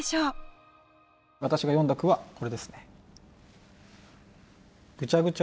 私が詠んだ句はこれですね。